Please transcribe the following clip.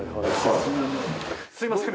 すいません。